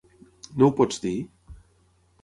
No ho pots dir?